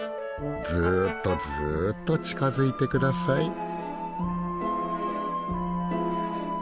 ずっとずっと近づいてください。